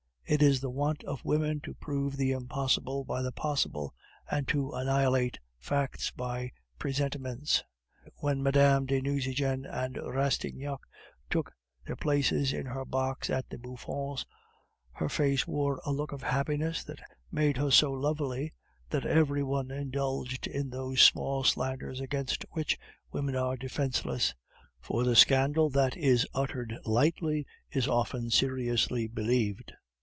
It is the wont of women to prove the impossible by the possible, and to annihilate facts by presentiments. When Mme. de Nucingen and Rastignac took their places in her box at the Bouffons, her face wore a look of happiness that made her so lovely that every one indulged in those small slanders against which women are defenceless; for the scandal that is uttered lightly is often seriously believed.